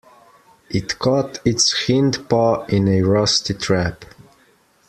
It caught its hind paw in a rusty trap.